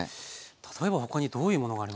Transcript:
例えば他にどういうものがありますかね？